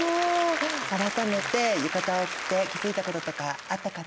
改めて浴衣を着て気付いたこととかあったかな？